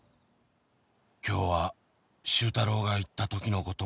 「今日は周太郎が逝ったときのことを」